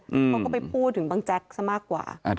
เขาก็ไปพูดถึงบังแจ๊กซะมากกว่า